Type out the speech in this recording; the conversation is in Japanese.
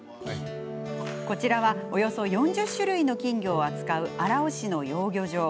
こちらはおよそ４０種類の金魚を扱う荒尾市の養魚場。